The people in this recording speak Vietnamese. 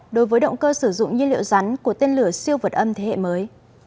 đối với động cơ sử dụng nhiên liệu rắn của tên lửa siêu vật âm thế hệ mới